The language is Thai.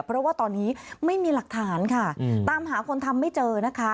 เพราะว่าตอนนี้ไม่มีหลักฐานค่ะตามหาคนทำไม่เจอนะคะ